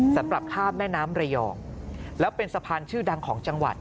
สำหรับข้ามแม่น้ำระยองแล้วเป็นสะพานชื่อดังของจังหวัด